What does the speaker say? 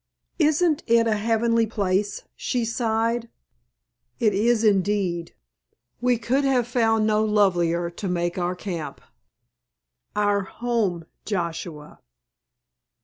"Isn't it a heavenly place?" she sighed. "It is indeed. We could have found no lovelier to make our camp." "Our home, Joshua."